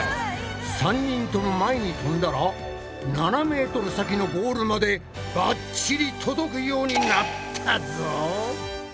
３人とも前にとんだら７ｍ先のゴールまでバッチリ届くようになったぞ！